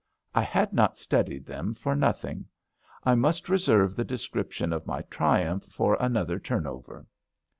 I had not studied them for nothing. I must reserve the description of my triumph for another Turnover.